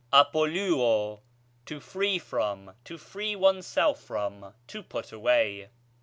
ἀπολύω, to free from, to free one's self from, to put away.